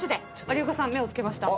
有岡さん目を付けました。